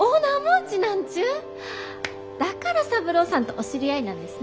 だから三郎さんとお知り合いなんですね。